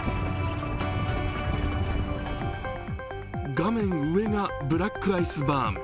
画面上がブラックアイスバーン。